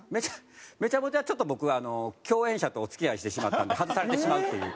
『めちゃモテ』はちょっと僕あの共演者とお付き合いしてしまったんで外されてしまうという。